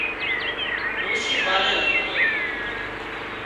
ڏوشي ٻاري اونگتِي